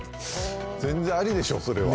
全然ありでしょ、それは。